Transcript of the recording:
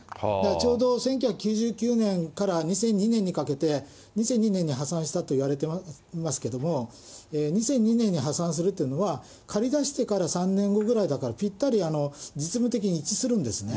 ちょうど１９９９年から２００２年にかけて２００２年に破産したといわれていますけれども、２００２年に破産するというのは、借りだしてから３年後ぐらいだから、ぴったり実務的に一致するんですね。